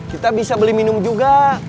kita bisa beli minum juga